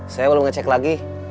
saya belum ngecek lagi